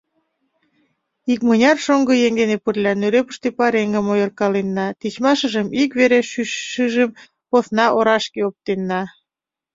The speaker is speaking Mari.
Икмыняр шоҥгыеҥ дене пырля нӧрепыште пареҥгым ойыркаленна, тичмашыжым ик вере, шӱйшыжым посна орашке оптенна.